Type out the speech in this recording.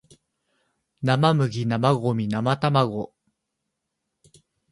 生麦生ゴミ生卵